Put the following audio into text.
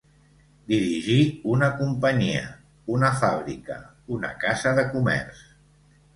Dirigir una companyia, una fàbrica, una casa de comerç.